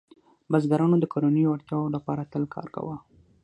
بزګرانو د کورنیو اړتیاوو لپاره تل کار کاوه.